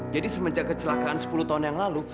jadi semenjak kecelakaan sepuluh tahun yang lalu